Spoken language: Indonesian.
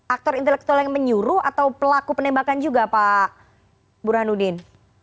aktor intelektual yang menyuruh atau pelaku penembakan juga pak burhanuddin